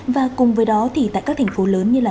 và cùng với đó thì tại các thành phố lớn như là